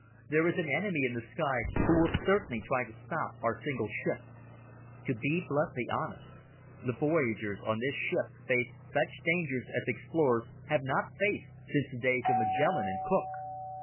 There is an enemy in the sky who will certainly try to stop our single ship. To be bluntly honest, the voyagers on this ship face such dangers as explorers have not faced since the days of Magellan and Cook.